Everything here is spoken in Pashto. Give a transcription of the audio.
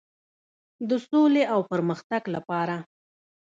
د سولې او پرمختګ لپاره.